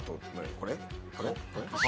これ？